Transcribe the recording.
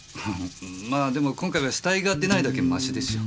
まあでも今回は死体が出ないだけマシでしょ。